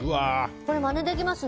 これ、まねできますね。